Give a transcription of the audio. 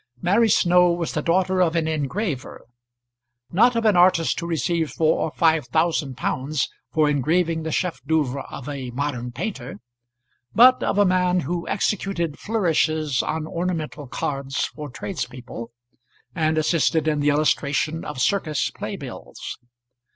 Mary Snow was the daughter of an engraver, not of an artist who receives four or five thousand pounds for engraving the chef d'oeuvre of a modern painter, but of a man who executed flourishes on ornamental cards for tradespeople, and assisted in the illustration of circus playbills.